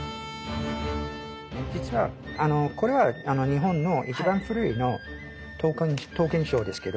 実はこれは日本の一番古い刀剣書ですけど。